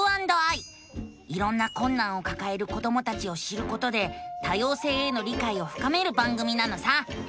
いろんなこんなんをかかえる子どもたちを知ることで多様性への理解をふかめる番組なのさ！